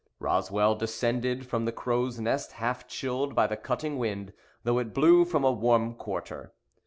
Roswell descended from the crow's nest half chilled by the cutting wind, though it blew from a warm quarter.